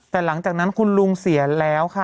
แต่หลังจากนั้นคุณลุงเสียแล้วค่ะ